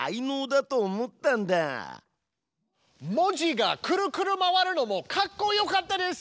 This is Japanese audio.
文字がくるくる回るのもかっこよかったです！